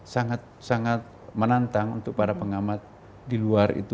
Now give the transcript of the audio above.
sangat sangat menantang untuk para pengamat di luar itu